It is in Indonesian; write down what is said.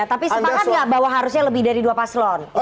tapi sepakat gak bahwa harusnya lebih dari dua paslon